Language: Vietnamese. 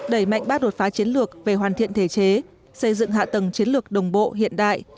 đẩy mạnh bác đột phá chiến lược về hoàn thiện thể chế xây dựng hạ tầng chiến lược đồng bộ hiện đại